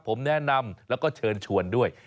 ผมแนะนำแล้วก็เชิญชวนด้วย